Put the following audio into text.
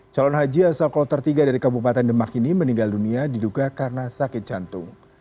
calon haji asal kloter tiga dari kabupaten demak ini meninggal dunia diduga karena sakit jantung